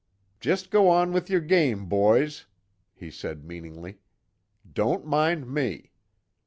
"Jest go on with yer game, boys," he said meaningly. "Don't mind me."